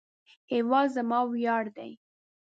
هیواد زما ویاړ دی